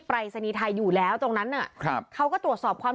รายศนีย์ไทยอยู่แล้วตรงนั้นน่ะครับเขาก็ตรวจสอบความ